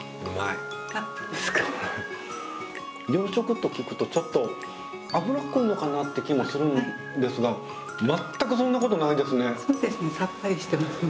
養殖と聞くとちょっと脂っこいのかなって気もするんですが全くそんなことないですね。